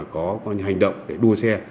có hành động đua xe